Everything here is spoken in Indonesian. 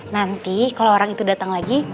nanti kalau orang itu datang lagi